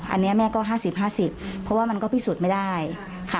อันเนี้ยแม่ก็ห้าสิบห้าสิบเพราะว่ามันก็พิสูจน์ไม่ได้ค่ะ